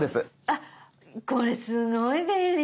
あっこれすごい便利。